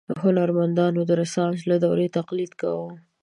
هنرمندانو د رنسانس له دورې تقلید کاوه.